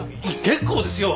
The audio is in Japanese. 結構ですよ。